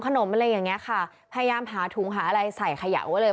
อะไรอย่างเงี้ยค่ะพยายามหาถุงหาอะไรใส่ขยะไว้เลย